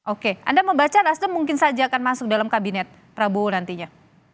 oke anda membaca nasdem mungkin saja akan masuk dalam kabinet prabowo nantinya